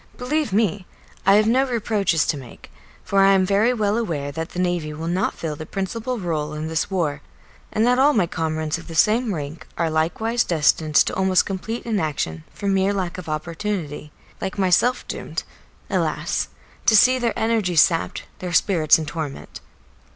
Believe me, I have no reproaches to make, for I am very well aware that the Navy will not fill the principal rôle in this war, and that all my comrades of the same rank are likewise destined to almost complete inaction for mere lack of opportunity, like myself doomed, alas! to see their energies sapped, their spirits in torment.